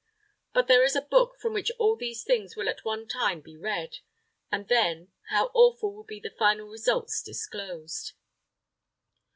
But there is a Book from which all these things will at one time be read; and then, how awful will be the final results disclosed!